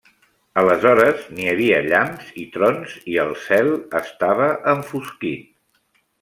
Aleshores, n'hi havia llamps i trons i el cel estava enfosquit.